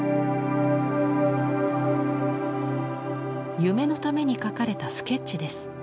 「夢」のために描かれたスケッチです。